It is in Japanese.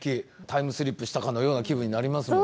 タイムスリップしたかのような気分になりますもんね。